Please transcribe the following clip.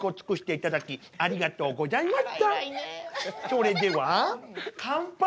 それでは乾杯！